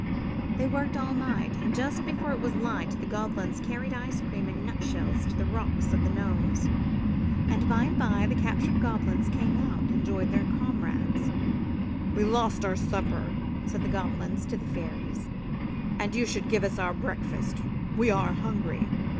They worked all night, and just before it was light the Goblins carried ice cream in nut shells to the rocks of the Gnomes, and by and by the captured Goblins came out and joined their comrades. "We lost our supper," said the Goblins to the Fairies, "and you should give us our breakfast. We are hungry.